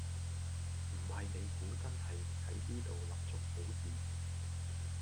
唔係你估真係喺呢度立足好易?